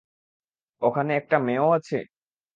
ওখানে একটা মেয়েও আছে?